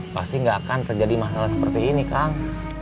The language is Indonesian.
pasti gak akan terjadi masalah seperti ini kang